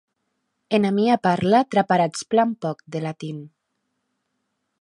Ena mia parla traparatz plan pòc de latin.